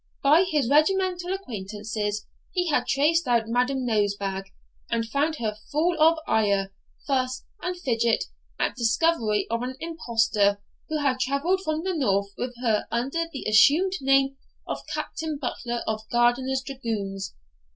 By his regimental acquaintances he had traced out Madam Nosebag, and found her full of ire, fuss, and fidget at discovery of an impostor who had travelled from the north with her under the assumed name of Captain Butler of Gardiner's dragoons.